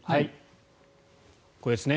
これですね。